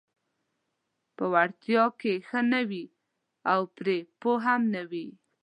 په وړتیا کې ښه نه وي او پرې پوه هم نه وي: